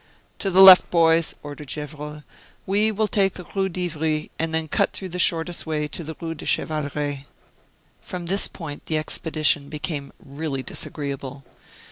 "To the left, boys!" ordered Gevrol; "we will take the Rue d'Ivry, and then cut through the shortest way to the Rue de Chevaleret." From this point the expedition became really disagreeable.